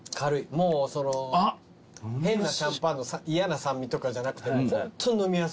もうその変なシャンパンの嫌な酸味とかじゃなくてホントに飲みやすい。